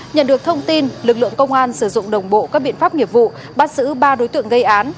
nhận được thông tin lực lượng công an sử dụng đồng bộ các biện pháp nghiệp vụ bắt giữ ba đối tượng gây án